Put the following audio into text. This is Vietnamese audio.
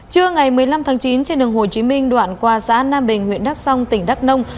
trưa ngày một mươi năm tháng chín trên đường hồ chí minh đoạn qua xã nam bình huyện đắk song tỉnh đắk nông